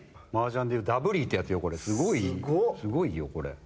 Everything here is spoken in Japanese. すごいよこれ。